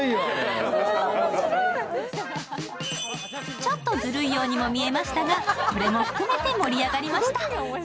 ちょっとずるいようにも見えましたが、これも含めて盛り上がりました。